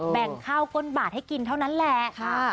แบ่งข้าวก้นบาทให้กินเท่านั้นแหละ